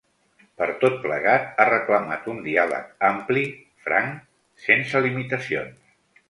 Per tot plegat, ha reclamat un diàleg ‘ampli, franc, sense limitacions’.